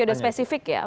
udah spesifik ya